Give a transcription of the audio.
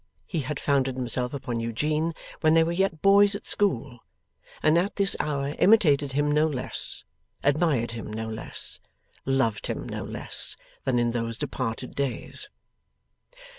He had founded himself upon Eugene when they were yet boys at school; and at this hour imitated him no less, admired him no less, loved him no less, than in those departed days.